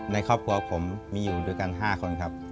ในครอบครัวผมมีอยู่ด้วยกัน๕คนครับ